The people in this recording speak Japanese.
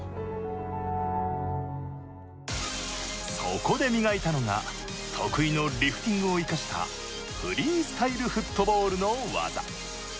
そこで磨いたのが得意のリフティングを生かしたフリースタイルフットボールの技。